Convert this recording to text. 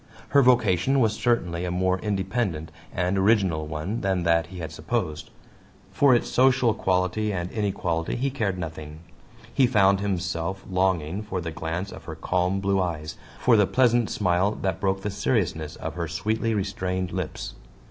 Her vocation was certainly a more independent and original one than that he had supposed; for its social quality and inequality he cared nothing. He found himself longing for the glance of her calm blue eyes, for the pleasant smile that broke the seriousness of her sweetly restrained lips.